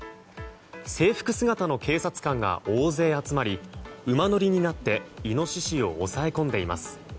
制服姿の警察官が大勢集まり馬乗りになってイノシシを押さえ込んでいます。